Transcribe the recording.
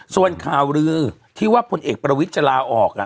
ส่วนข่าวลือที่ว่าพลเอกประวิทย์จะลาออก